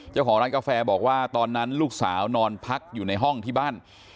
เจ้าของร้านกาแฟบอกว่าตอนนั้นลูกสาวนอนพักอยู่ในห้องที่บ้าน